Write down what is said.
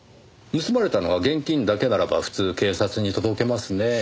盗まれたのが現金だけならば普通警察に届けますねぇ。